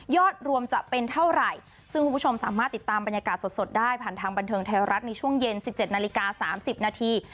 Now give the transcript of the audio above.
รวมจะเป็นเท่าไหร่ซึ่งคุณผู้ชมสามารถติดตามบรรยากาศสดได้ผ่านทางบันเทิงไทยรัฐในช่วงเย็น๑๗นาฬิกา๓๐นาที